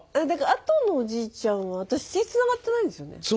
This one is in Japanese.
だから後のおじいちゃんは私血つながってないんですよね？